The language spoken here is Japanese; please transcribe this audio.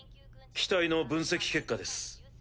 機体の分析結果です。